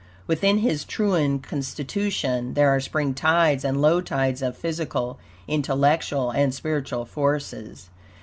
Within his triune constitution there are spring tides and low tides of physical, intellectual and spiritual forces.